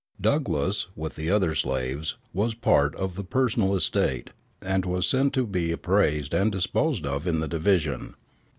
Douglass, with the other slaves, was part of the personal estate, and was sent for to be appraised and disposed of in the division.